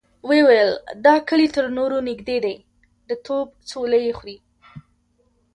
ويې ويل: دا کلي تر نورو نږدې دی، د توپ څولۍ يې خوري.